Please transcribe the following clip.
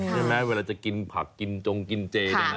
ใช่ไหมเวลาจะกินผักกินจงกินเจน